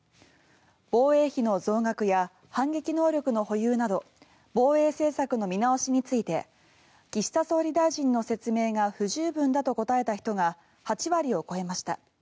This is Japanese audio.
防衛費の増額や反撃能力の保有など防衛政策の見直しについて岸田総理大臣の説明が不十分だと答えた人が８割を超えました。